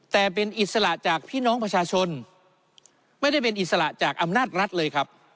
แต่เป็นอิสระจากพี่น้องประชาชนไม่ได้เป็นอิสระจากอำนาจรัฐเลยครับ